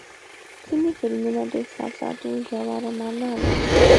ځینې فلمونه د احساساتو ژوره معنا لري.